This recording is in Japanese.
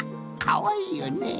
かわいいよね？